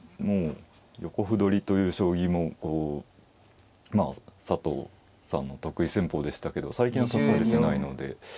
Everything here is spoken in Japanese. もう横歩取りという将棋もこうまあ佐藤さんの得意戦法でしたけど最近は指されてないので。